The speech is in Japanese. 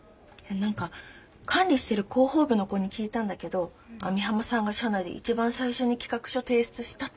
何か管理してる広報部の子に聞いたんだけど網浜さんが社内で一番最初に企画書提出したって。